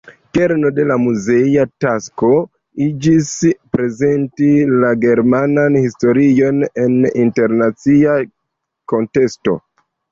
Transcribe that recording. Kerno de la muzea tasko iĝis, "prezenti la germanan historion en internacia konteksto".